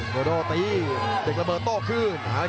โดโดตีเด็กระเบิดโต้คืน